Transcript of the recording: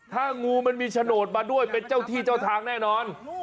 ถ้างูมันมีโฉนดมาด้วยเป็นเจ้าที่เจ้าทางแน่นอน